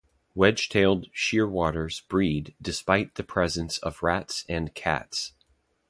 Wedge-tailed shearwaters breed despite the presence of rats and cats.